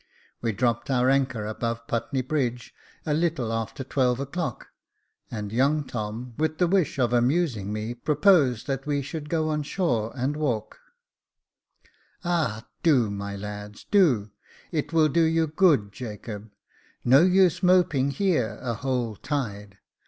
"We dropped our anchor above Putney Bridge a little after twelve o'clock, and young Tom, with the wish of amusing me, proposed that we should go on shore and Jacob Faithful 169 walk. " Ah ! do, my lads, do — it will do you good, Jacob ; no use moping here a whole tide.